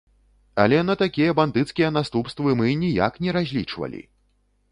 Але на такія бандыцкія наступствы мы ніяк не разлічвалі!